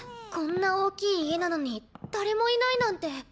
こんな大きい家なのに誰もいないなんて。